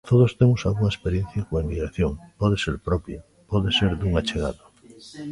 Todos temos algunha experiencia coa emigración, pode ser propia, pode ser dun achegado.